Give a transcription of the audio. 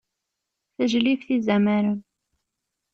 Tajlibt izamaren.